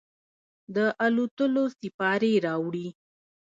د الوتلو سیپارې راوړي